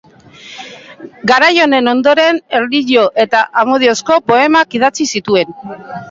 Garai honen ondoren, erlijio eta amodiozko poemak idatzi zituen.